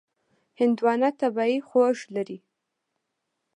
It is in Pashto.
هندوانه طبیعي خوږ لري.